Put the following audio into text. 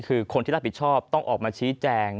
คือคนที่รับผิดชอบต้องออกมาชี้แจง